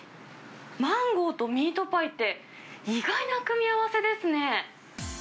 マンゴーとミートパイって意外な組み合わせですね。